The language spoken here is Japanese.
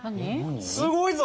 すごいぞ！